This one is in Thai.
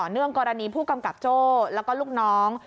เนื่องกรณีผู้กำกับโจ้แล้วก็ลูกน้อง